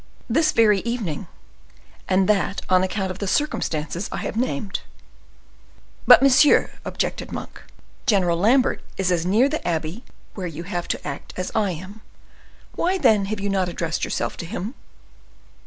"This very evening, and that on account of the circumstances I have named." "But, monsieur," objected Monk, "General Lambert is as near the abbey where you have to act as I am. Why, then, have you not addressed yourself to him?"